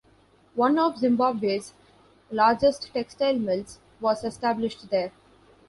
One of Zimbabwe's largest textile mills was established there.